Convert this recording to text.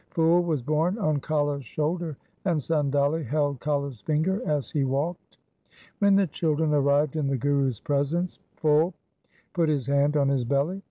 Phul was borne on Kala's shoulder, and Sandali held Kala's finger as he walked. When the children arrived in the Guru's presence, Phul put his hand on his belly.